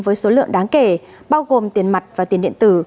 với số lượng đáng kể bao gồm tiền mặt và tiền điện tử